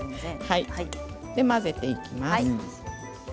混ぜていきます。